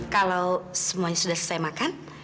kalau semuanya sudah selesai makan